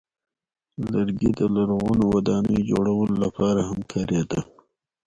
لرګی د لرغونو ودانیو جوړولو لپاره هم کارېده.